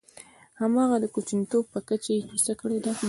همغه د کوچنیتوب په کچه یې کیسه کړې ده.